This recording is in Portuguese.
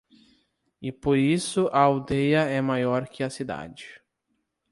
e por isso a aldeia é maior que a cidade...